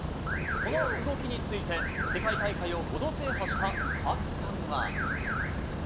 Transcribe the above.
この動きについて、世界大会を５度制覇したカクさんは。